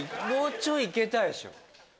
もうちょい行けたでしょ。